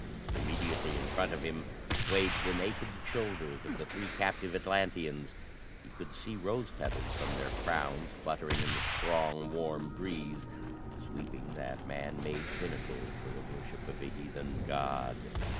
Immediately in front of him swayed the naked shoulders of the three captive Atlanteans; he could see rose petals from their crowns fluttering in the strong warm breeze sweeping that man made pinnacle for the worship of a heathen god.